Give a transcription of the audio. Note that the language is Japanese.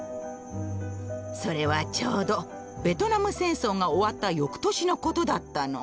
それはちょうどベトナム戦争が終わった翌年のことだったの。